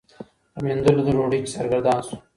په میندلو د ډوډۍ چي سرګردان سو